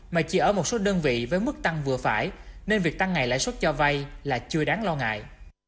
mà chỉ ở một số đơn vị với mức tăng vừa phải nên việc tăng ngày lãi suất cho vay là chưa đáng lo ngại